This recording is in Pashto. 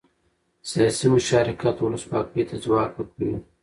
سیاسي مشارکت ولسواکۍ ته ځواک ورکوي